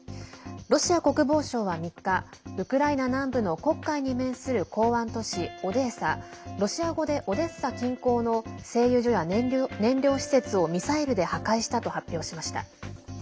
ロシア国防省は３日ウクライナ南部の黒海に面する港湾都市オデーサロシア語でオデッサ近郊の製油所や燃料施設をミサイルで破壊したと発表しました。